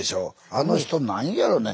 あの人なんやろね。